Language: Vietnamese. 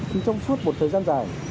thì trong suốt một thời gian dài